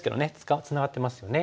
ツナがってますよね。